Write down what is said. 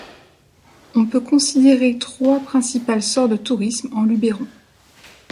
On peut considérer trois principales sortes de tourisme en Luberon.